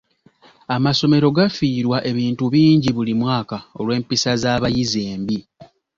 Amasomero gafiirwa ebintu bingi buli mwaka olw'empisa z'abayizi embi.